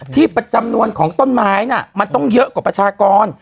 ที่ปัจจำนวนของต้นไม้มันต้องเยอะกว่าประชากร